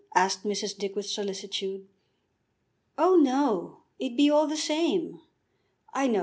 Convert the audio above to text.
asked Mrs. Dick with solicitude. "Oh, no; it'd be all the same, I know.